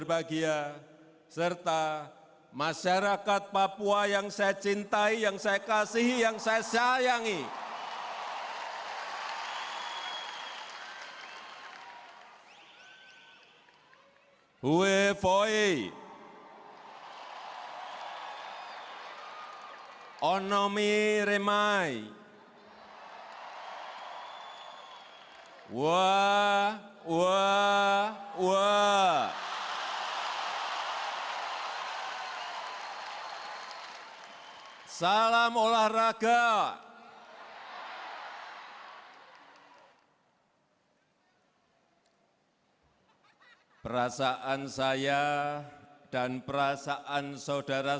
beserta seluruh gubernur gubernur